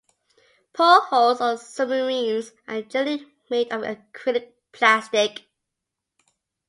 Portholes on submarines are generally made of acrylic plastic.